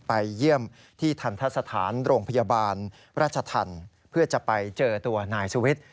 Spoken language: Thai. ไปเยี่ยมที่ทันทะสถานโรงพยาบาลราชธรรมเพื่อจะไปเจอตัวนายสุวิทย์